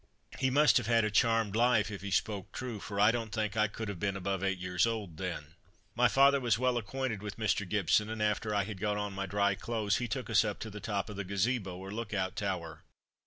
He must have had a charmed life, if he spoke true, for I don't think I could have been above eight years old then. My father was well acquainted with Mr. Gibson, and after I had got on my dry clothes, he took us up to the top of the Gazebo, or look out tower.